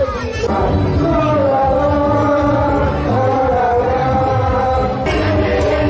ที่นี่ที่นี่ที่นี่